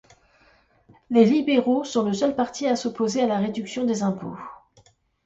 Les libéraux sont le seul parti à s'opposer à la réduction des impôts.